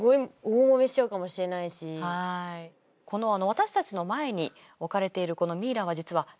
私たちの前に置かれているこのミイラは実はこれそう？